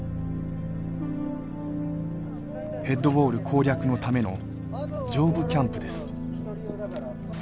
ヘッドウォール攻略のための上部キャンプです。